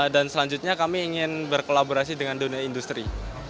dan selanjutnya kami ingin berkolaborasi dengan dunia industri